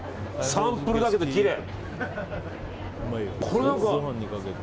サンプルだけどきれい。